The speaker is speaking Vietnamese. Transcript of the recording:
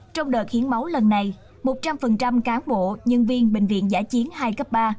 trong đợt hiến máu lần này một trăm linh cán bộ nhân viên bệnh viện giả chiến hai cấp ba